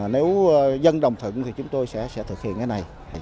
nếu dân đồng thận thì chúng tôi sẽ thực hiện cái này